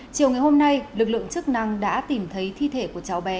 chiều ngày hôm nay lực lượng chức năng đã tìm thấy thi thể của cháu bé